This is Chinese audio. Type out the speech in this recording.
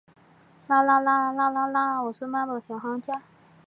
亨利县是美国印地安纳州东部的一个县。